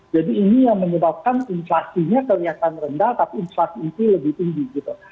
jadi ini yang menyebabkan inflasinya kelihatan rendah tapi inflasi itu lebih tinggi gitu